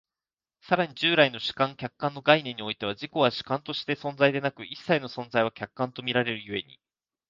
更に従来の主観・客観の概念においては、自己は主観として存在でなく、一切の存在は客観と見られる故に、